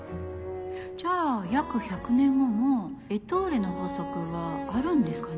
じゃあ約１００年後もエトーレの法則はあるんですかね。